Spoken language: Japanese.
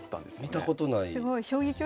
見たことない。